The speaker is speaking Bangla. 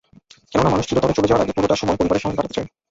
কেননা, মানুষ চিরতরে চলে যাওয়ার আগে পুরোটা সময় পরিবারের সঙ্গে কাটাতে চায়।